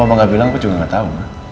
kalau mama gak bilang aku juga gak tau